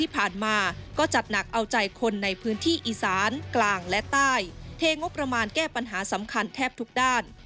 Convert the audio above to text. พื้นที่อีสานกล่างและใต้เทงบประมาณแก้ปัญหาสำคัญแทบทุกด้าน